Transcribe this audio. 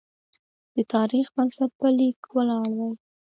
د تاریخ بنسټ په لیک ولاړ دی.